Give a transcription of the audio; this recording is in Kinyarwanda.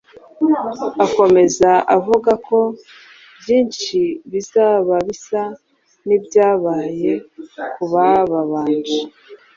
Akomeza avuga ko byinshi bizaba bisa n’ ibyabaye kubabanje